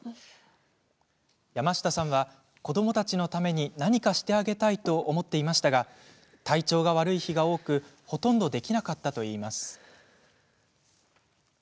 山下さんは、子どもたちのために何かしてあげたいと思っていましたが体調が悪い日が多くほとんどできなかったといいます。